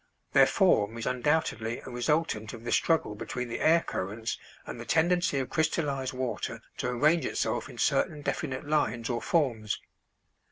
Their form is undoubtedly a resultant of the struggle between the air currents and the tendency of crystallized water to arrange itself in certain definite lines or forms.